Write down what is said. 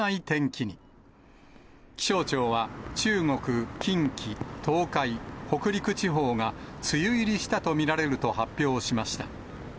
気象庁は、中国、近畿、東海、北陸地方が、梅雨入りしたと見られると発表しました。